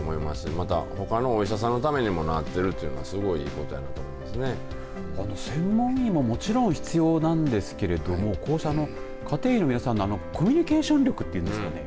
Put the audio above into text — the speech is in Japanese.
また、ほかのお医者さんのためにもなっているというのは本当、専門医ももちろん必要なんですけれどもこうした家庭医の皆さんのコミニケーション力というんですかね。